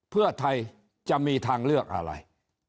เพื่อไทยจะมีทางเลือกอะไร